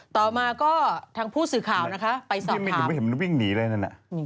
ต่อมาก็ทางผู้สื่อข่าวนะคะไปสอบถามนี่ไม่เห็นมันวิ่งหนีเลยนั่น